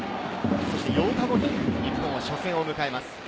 そして８日後に日本は初戦を迎えます。